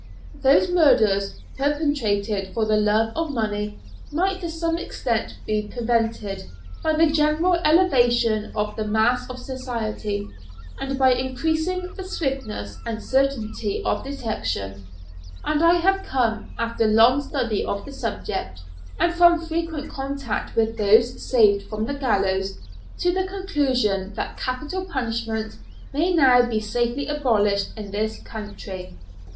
Those murders perpetrated for the love of money might to some extent be prevented by the general elevation of the mass of society, and by increasing the swiftness and certainty of detection; and I have come, after long study of the subject, and from frequent contact with those saved from the gallows, to the conclusion that capital punishment may now be safely abolished in this country.